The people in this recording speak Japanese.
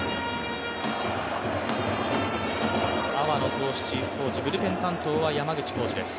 粟野投手チーフコーチブルペン担当は山口コーチです。